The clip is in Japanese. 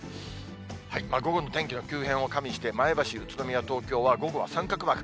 午後の天気の急変を加味して、前橋、宇都宮、東京は午後は三角マーク。